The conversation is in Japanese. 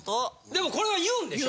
でもこれは言うんでしょ？